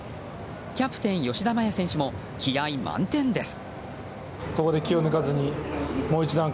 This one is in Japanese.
キャプテン吉田麻也選手も気合満点です。